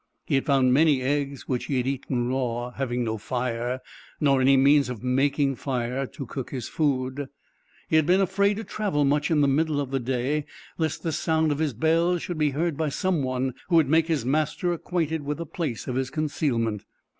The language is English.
He had found many eggs, which he had eaten raw, having no fire, nor any means of making fire, to cook his food. He had been afraid to travel much in the middle of the day, lest the sound of his bells should be heard by some one, who would make his master acquainted with the place of his concealment.